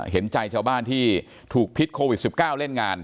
เห็นใจชาวบ้านที่ถูกพิษโควิด๑๙เล่นงาน